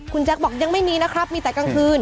คุณแจ๊คบอกยังไม่มีนะครับมีแต่กลางคืน